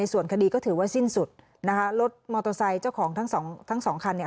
ส่วนคดีก็ถือว่าสิ้นสุดนะคะรถมอเตอร์ไซค์เจ้าของทั้งสองทั้งสองคันเนี่ย